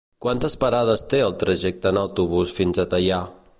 Quantes parades té el trajecte en autobús fins a Teià?